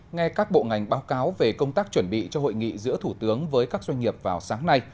nghe các bộ ngành báo cáo về công tác chuẩn bị cho hội nghị giữa thủ tướng với các doanh nghiệp vào sáng nay